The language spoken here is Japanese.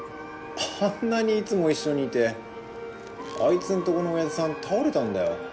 あんなにいつも一緒にいてあいつんとこのおやじさん倒れたんだよ